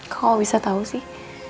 kok aku bisa tau sih